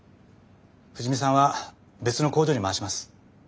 藤見さんは別の工場に回します。